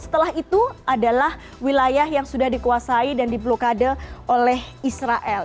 setelah itu adalah wilayah yang sudah dikuasai dan diblokade oleh israel